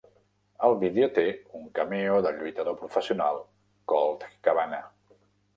El vídeo té un cameo del lluitador professional Colt Cabana.